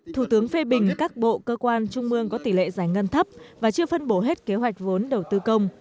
thủ tướng phê bình các bộ cơ quan trung ương có tỷ lệ giải ngân thấp và chưa phân bổ hết kế hoạch vốn đầu tư công